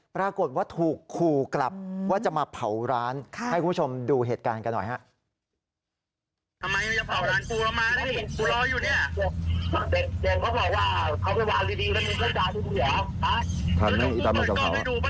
ปรากฏว่าถูกขู่กลับว่าจะมาเผาร้านให้คุณผู้ชมดูเหตุการณ์กันหน่อยฮะ